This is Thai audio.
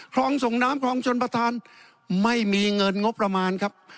ส่งน้ำคลองชนประธานไม่มีเงินงบประมาณครับ